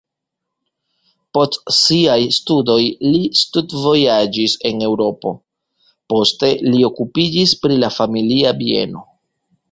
Post siaj studoj li studvojaĝis en Eŭropo, poste li okupiĝis pri la familia bieno.